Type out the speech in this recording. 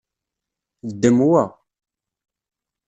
Ddem wa.